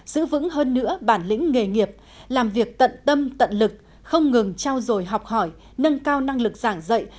giữ vững hơn nữa bản lĩnh nghề nghiệp làm việc tận tâm tận lực không ngừng trao dồi học hỏi nâng cao năng lực giảng dạy